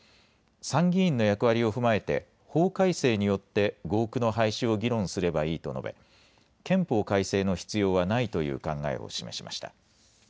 参議院の役割を踏まえて、法改正によって合区の廃止を議論すればいいと述べ、憲法改正の必要はないという考えを示しました。